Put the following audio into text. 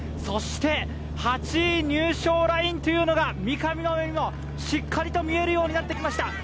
そして、８位入賞ラインというのが三上の目にもしっかりと見えるようになってきました。